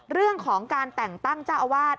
เรื่องของการแต่งตั้งเจ้าอาวาส